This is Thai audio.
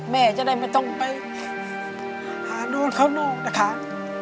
แม่จะได้ไม่ต้องไปหานู่นข้างนอกนะคะ